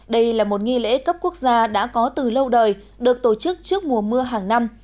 đây là một nghi lễ cấp quốc gia đã có từ lâu đời được tổ chức trước mùa mưa hàng năm